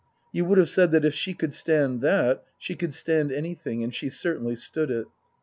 You would have said that if she could stand that she could stand anything, and she certainly stood it.